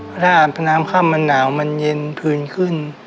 เพราะถ้าน้ำค่ำมันหนาวมันเย็นคืนขึ้น